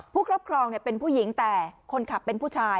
ครอบครองเป็นผู้หญิงแต่คนขับเป็นผู้ชาย